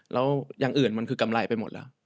แล้วอย่างอื่นมันคือกำไรไปหมดแล้ว